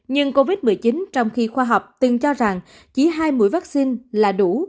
nhưng covid một mươi chín trong khi khoa học từng cho rằng chỉ hai mũi vaccine là đủ